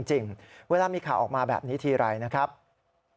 โรงพักโรงพักโรงพัก